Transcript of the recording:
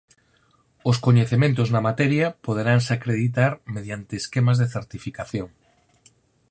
Os coñecementos na materia poderanse acreditar mediante esquemas de certificación.